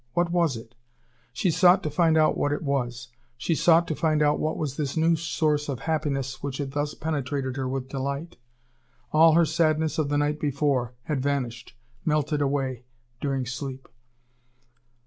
What was it? She sought to find out what it was; she sought to find out what was this new source of happiness which had thus penetrated her with delight. All her sadness of the night before had vanished, melted away, during sleep.